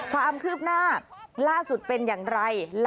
ความคืบหน้าล่าสุดเป็นอย่างไร